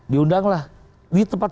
diundanglah di tempat